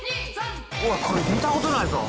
これ、見たことないぞ。